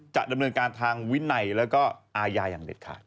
จะดำเนินการทางวินัยแล้วก็อาญาอย่างเด็ดขาด